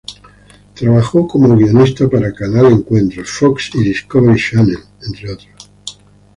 Trabajó como guionista para Canal Encuentro, Fox y Discovery Channel entre otros.